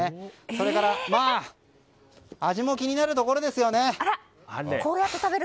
それから、味も気になるところですよね。